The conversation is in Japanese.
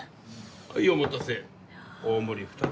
・はいお待たせ大盛り２つ。